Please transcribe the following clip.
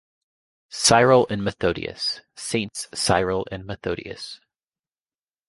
Cyril and Methodius; Saints Cyril and Methodius.